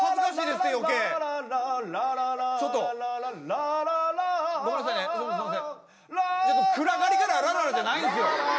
「ラララ」ちょっと暗がりから「ラララ」じゃないんですよ。